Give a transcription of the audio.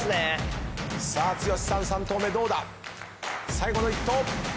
最後の１投。